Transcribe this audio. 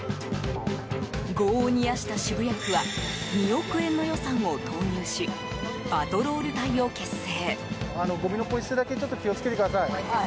業を煮やした渋谷区は２億円の予算を投入しパトロール隊を結成。